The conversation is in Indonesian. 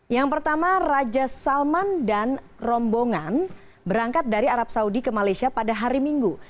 yang pertama raja salman dan rombongan berangkat dari arab saudi ke malaysia pada hari minggu